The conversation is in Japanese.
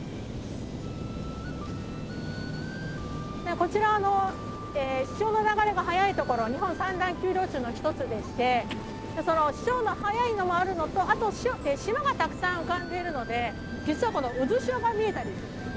こちら潮の流れが速い所日本三大急潮流の一つでしてその潮の速いのもあるとのあと島がたくさん浮かんでいるので実はこの渦潮が見えたりですね。